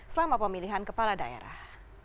selama pemilihan kepala daerah